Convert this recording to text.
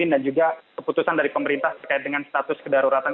dan juga keputusan dari pemerintah terkait dengan status kedaruratan